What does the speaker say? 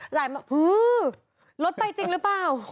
รถไปจริงหรือเปล่า